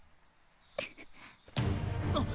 あっ！